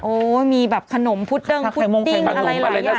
มีแบบขนมพุดเดิ้งพุดดิ้งอะไรหลายอย่าง